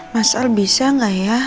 masal bisa gak ya